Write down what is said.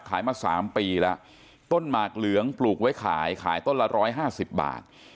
ขายมา๓ปีแล้วต้นหมากเหลืองปลูกไว้ขายขายต้นละ๑๕๐บาท